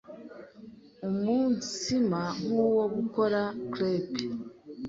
umutsima nk’uwo gukora crepe